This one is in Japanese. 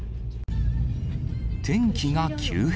天気が急変。